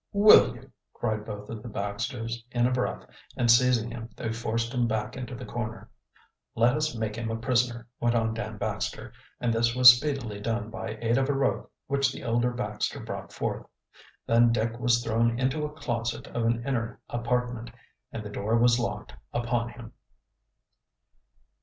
"Will you!" cried both of the Baxters, in a breath, and seizing him they forced him back into the corner. "Let us make him a prisoner," went on Dan Baxter, and this was speedily done by aid of a rope which the elder Baxter brought forth. Then Dick was thrown into a closet of an inner apartment and the door was locked upon him.